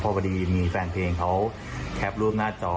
เพราะวันนี้มีแฟนเพลงเขาแคปรูปหน้าจอ